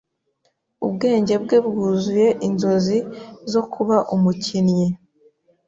Ubwenge bwe bwuzuye inzozi zo kuba umukinnyi.